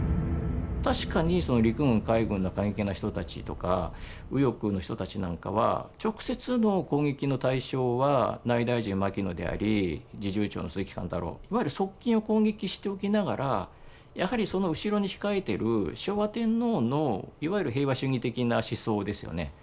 確かにその陸軍海軍の過激な人たちとか右翼の人たちなんかは直接の攻撃の対象は内大臣牧野であり侍従長の鈴木貫太郎いわゆる側近を攻撃しておきながらやはりその後ろに控えてる昭和天皇のいわゆる平和主義的な思想ですよね